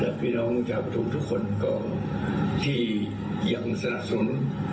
และพี่น้องจ้าประธุมธานีทุกคนก็ที่ยังสนับสน